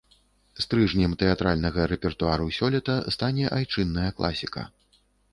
Стрыжнем тэатральнага рэпертуару сёлета стане айчынная класіка.